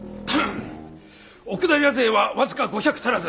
奥平勢は僅か５００足らず。